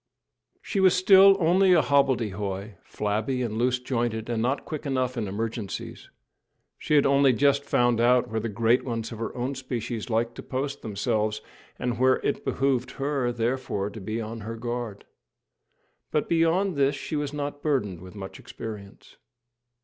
She was still only a hobbledehoy, flabby and loose jointed, and not quick enough in emergencies. She had only just found out where the great ones of her own species liked to post themselves, and where it behoved her, therefore, to be on her guard; but beyond this she was not burdened with much experience.